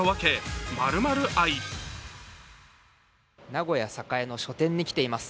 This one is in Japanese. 名古屋・栄の書店に来ています。